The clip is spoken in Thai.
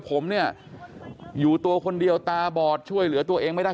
ผมเนี่ยอยู่ตัวคนเดียวตาบอดช่วยเหลือตัวเองไม่ได้